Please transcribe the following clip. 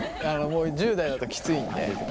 もう１０代だときついんで。